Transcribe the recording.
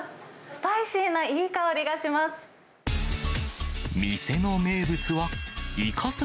スパイシーないい香りがします。